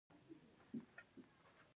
یوه اوبه ټولو ته رسیږي.